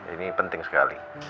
ini penting sekali